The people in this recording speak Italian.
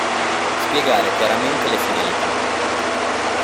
Spiegare chiaramente le finalità.